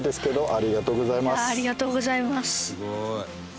ありがとうございます。